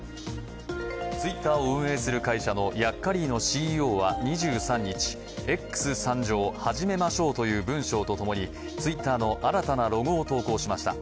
Ｔｗｉｔｔｅｒを運営する会社のヤッカリーノＣＥＯは２３日、「Ｘ参上！始めましょう」という文章とともに、Ｔｗｉｔｔｅｒの新たなロゴを投稿しました。